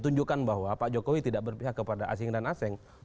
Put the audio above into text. tunjukkan bahwa pak jokowi tidak berpihak kepada asing dan asing